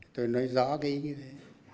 tôi nói rõ cái ý như thế